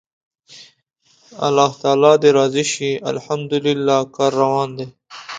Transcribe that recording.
الله تعالی دې راضي شي، الحمدلله کار روان دی.